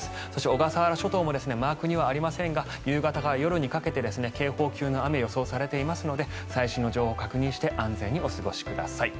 小笠原諸島もマークにはありませんが夕方から夜にかけて警報級の雨が予想されていますので最新の情報を確認して安全にお過ごしください。